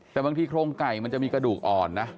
แต่บางทีโครงไก่มันจะมีกระดูกอ่อนนะ